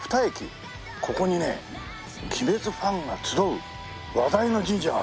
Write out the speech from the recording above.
ここにね『鬼滅』ファンが集う話題の神社があるらしい。